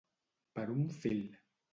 Per un fil.